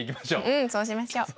うんそうしましょう。